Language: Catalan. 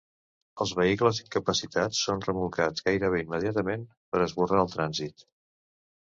Els vehicles incapacitats són remolcats gairebé immediatament per esborrar el trànsit.